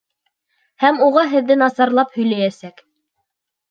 Һәм уға һеҙҙе насар лап һөйләйәсәк!